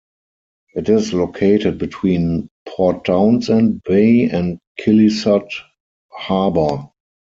It is located between Port Townsend Bay and Kilisut Harbor.